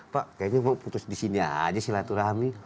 pak kayaknya mau putus di sini aja sih lah turahami